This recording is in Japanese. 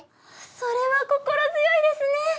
それは心強いですね。